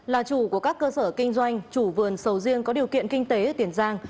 là chủ của các cơ sở kinh doanh chủ vườn sầu riêng có điều kiện kinh tế ở tiền giang